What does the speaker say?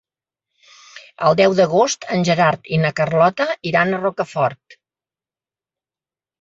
El deu d'agost en Gerard i na Carlota iran a Rocafort.